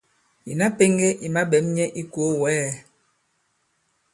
Ìna pēŋge i maɓɛ̌m nyɛ i ikòo wɛ̌ɛ!